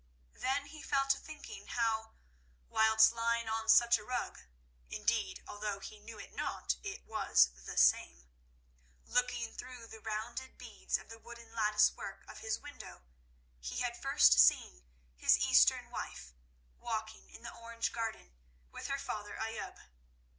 Then he fell to thinking how, whilst lying on such a rug (indeed, although he knew it not, it was the same), looking through the rounded beads of the wooden lattice work of his window, he had first seen his Eastern wife walking in the orange garden with her father Ayoub.